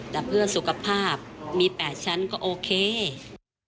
แต่เพื่อสุขภาพมีแปดชั้นแต่เพื่อสุขภาพมีแปดชั้น